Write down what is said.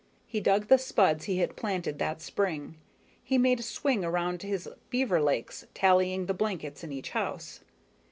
He dug the spuds he had planted that spring. He made a swing around his beaver lakes, tallying the blankets in each house.